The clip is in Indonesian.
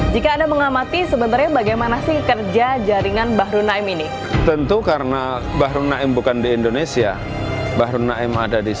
jaringan bahru naim